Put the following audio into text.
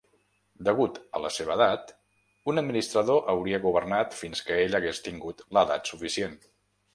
Degut a la seva edat, un administrador hauria governat fins que ell hagués tingut l'edat suficient.